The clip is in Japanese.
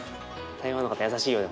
．台湾の方優しいよね